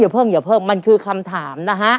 เพิ่งอย่าเพิ่มมันคือคำถามนะฮะ